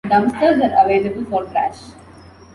Dumpsters are available for trash.